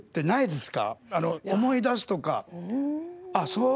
そう。